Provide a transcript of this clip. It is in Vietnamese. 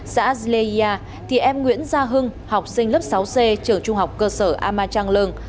xã dê thì em nguyễn gia hưng học sinh lớp sáu c trường trung học cơ sở ama trang lương